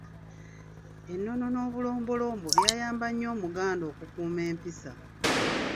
Ennono n'obulombolombo byayamba nnyo Omuganda okukuuma empisa.